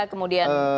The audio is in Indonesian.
yang jelas ya